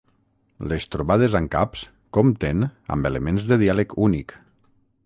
Les trobades amb caps compten amb elements de diàleg únic.